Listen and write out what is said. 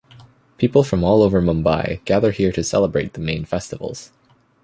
People from all over Mumbai gather here to celebrate the main festivals.